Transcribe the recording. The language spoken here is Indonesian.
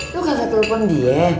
lo kakak telepon dia